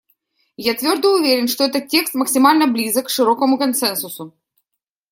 Я твердо уверен, что этот текст максимально близок к широкому консенсусу.